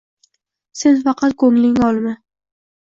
Sen faqat ko`nglingga olma